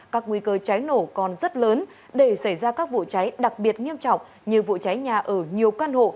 các nguy cơ cháy nổ còn rất lớn để xảy ra các vụ cháy đặc biệt nghiêm trọng như vụ cháy nhà ở nhiều căn hộ